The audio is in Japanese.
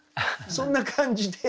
そんな感じで。